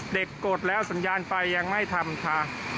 กดแล้วสัญญาณไฟยังไม่ทำค่ะ